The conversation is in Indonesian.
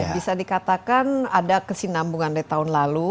bisa dikatakan ada kesinambungan dari tahun lalu